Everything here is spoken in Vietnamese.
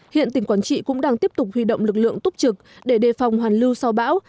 hiện tỉnh quảng trị cũng đang tiếp tục huy động lực lượng túc trực để đề phòng hoàn lưu sau bão